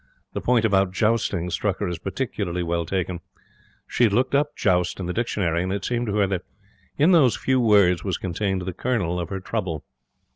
The point about jousting struck her as particularly well taken. She had looked up 'joust' in the dictionary, and it seemed to her that in these few words was contained the kernel of her trouble.